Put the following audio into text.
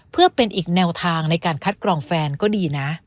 เพื่อเป็นอีกแนวทางในการคัดกรองแฟนก็ดีนะ